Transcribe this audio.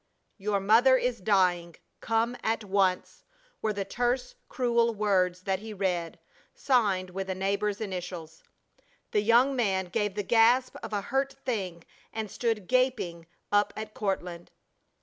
"Your mother is dying. Come at once," were the terse, cruel words that he read, signed with a neighbor's initials. The young man gave the gasp of a hurt thing and stood gaping up at Courtland.